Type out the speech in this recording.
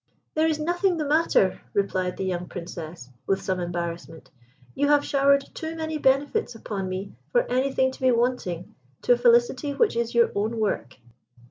"There is nothing the matter," replied the young Princess, with some embarrassment. "You have showered too many benefits upon me for anything to be wanting to a felicity which is your own work."